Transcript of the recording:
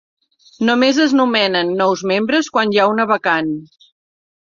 Només es nomenen nous membres quan hi ha una vacant.